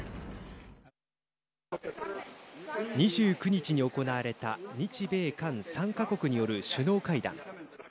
２９日に行われた日米韓３か国による首脳会談。